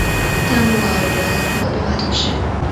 大穆尔默隆人口变化图示